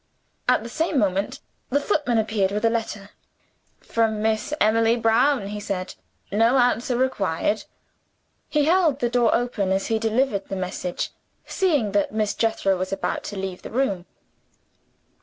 At the same moment, the footman appeared with a letter. "From Miss Emily Brown," he said. "No answer required." He held the door open as he delivered the message, seeing that Miss Jethro was about to leave the room.